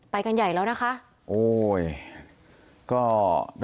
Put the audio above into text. ไปกันใหญ่แล้วนะคะ